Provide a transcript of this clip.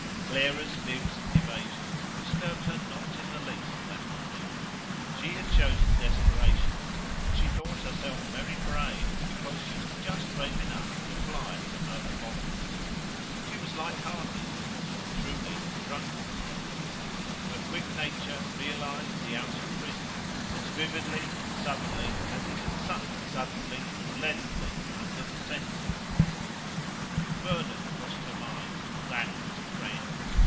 Clara's fibs and evasions disturbed her not in the least that morning. She had chosen desperation, and she thought herself very brave because she was just brave enough to fly from her abhorrence. She was light hearted, or, more truly, drunken hearted. Her quick nature realized the out of prison as vividly and suddenly as it had sunk suddenly and leadenly under the sense of imprisonment. Vernon crossed her mind: that was a friend!